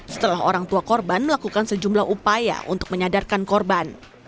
setelah orang tua korban melakukan sejumlah upaya untuk menyadarkan korban